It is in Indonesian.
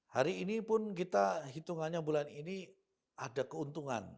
hari ini pun kita hitungannya bulan ini ada keuntungan